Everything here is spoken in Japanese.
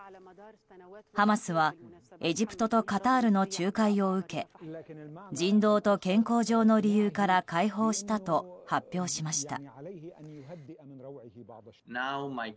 ハマスはエジプトとカタールの仲介を受け人道と健康上の理由から解放したと発表しました。